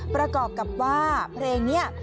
ประกอบกับว่าเพลงนี้